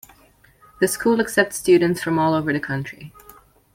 The school accepts students from all over the country.